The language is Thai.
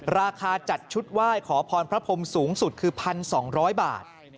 จัดชุดไหว้ขอพรพระพรมสูงสุดคือ๑๒๐๐บาท